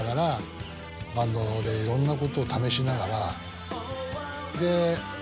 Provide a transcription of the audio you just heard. バンドでいろんなことを試しながら。